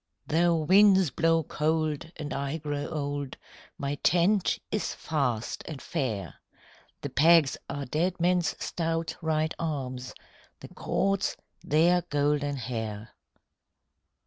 "Though winds blow cold and I grow old, My tent is fast and fair: The pegs are dead men's stout right arms, The cords, their golden hair."